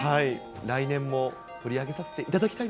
来年も取り上げさせていただ